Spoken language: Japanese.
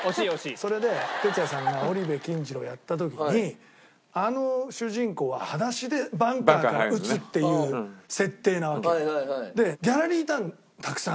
それで鉄矢さんが『織部金次郎』やった時にあの主人公は裸足でバンカーから打つっていう設定なわけよ。でギャラリーいたたくさん。